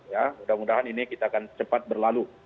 ya mudah mudahan ini kita akan cepat berlalu